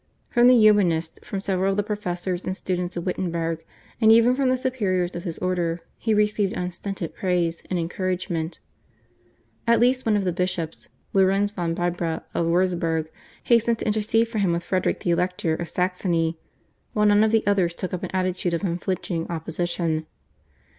From the Humanists, from several of the professors and students of Wittenberg, and even from the superiors of his order he received unstinted praise and encouragement. At least one of the bishops, Lorenz von Bibra of Wurzburg, hastened to intercede for him with Frederick the Elector of Saxony, while none of the others took up an attitude of unflinching opposition.